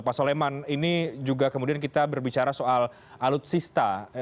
pak soleman ini juga kemudian kita berbicara soal alutsista